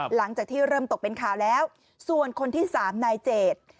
หลังจากที่เริ่มตกเป็นข่าวแล้วส่วนคนที่สามนายเจด